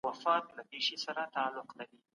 پوهان هره ورځ نوي تحقیقات ترسره کوي.